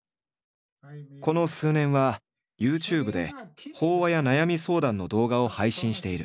この数年はＹｏｕＴｕｂｅで法話や悩み相談の動画を配信している。